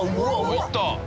いった！